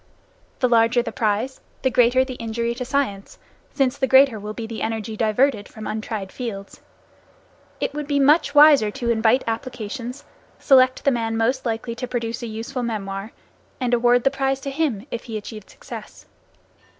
The larger the prize, the greater the injury to science, since the greater will be the energy diverted from untried fields. It would be much wiser to invite applications, select the man most likely to produce a useful memoir, and award the prize to him if he achieved success.